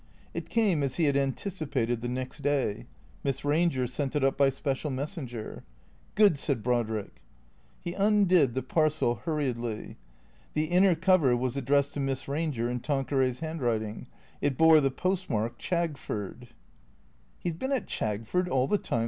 It came as he had anticipated the next day. Miss Ranger sent it up by special messenger. " Good !" said Brodrick. He undid the parcel hurriedly. The inner cover was ad dressed to Miss Ranger in Tanqueray's handwriting. It bore the post mark, Chagford. " He 's been at Chagford all the time